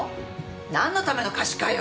なんのための可視化よ。